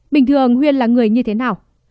bình thường huyên là người như thế nào